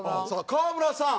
川村さんも。